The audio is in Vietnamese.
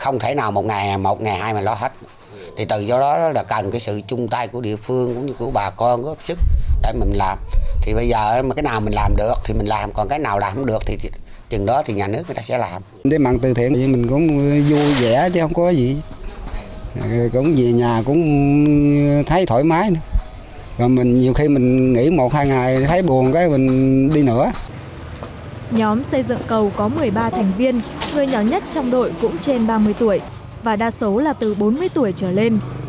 nhóm xây dựng cầu có một mươi ba thành viên người nhỏ nhất trong đội cũng trên ba mươi tuổi và đa số là từ bốn mươi tuổi trở lên